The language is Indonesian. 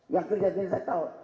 yang kerja di indonesia tahu